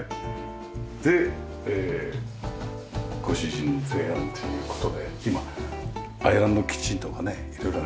でご主人の提案という事で今アイランドキッチンとかね色々ありますよね。